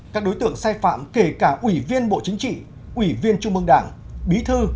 các đối tượng sai phạm kể cả ủy viên bộ chính trị ủy viên trung mương đảng bí thư